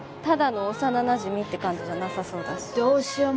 ただの幼なじみって感じじゃなさそうだし。